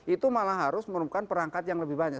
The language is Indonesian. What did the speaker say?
itu malah harus menemukan perangkat yang lebih banyak